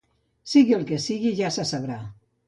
Sigui el que sigui ja se sabrà.